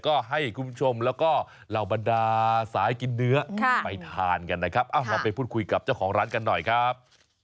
ก็ให้คุณผู้ชมแล้วก็เหล่าบรรดาสายกินเนื้อไปทานกันนะครับเราไปพูดคุยกับเจ้าของร้านกันหน่อยครับ